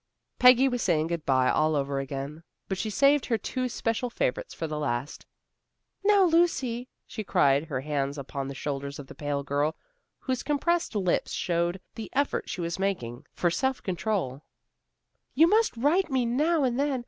Peggy was saying good by all over again, but she saved her two special favorites for the last. "Now, Lucy," she cried, her hands upon the shoulders of the pale girl, whose compressed lips showed the effort she was making far self control, "you must write me now and then.